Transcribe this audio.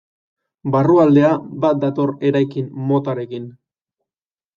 Barrualdea bat dator eraikin motarekin.